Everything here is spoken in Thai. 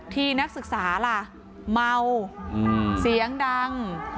นักศึกษาล่ะเมาเสียงดัง